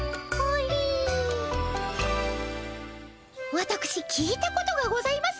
わたくし聞いたことがございます。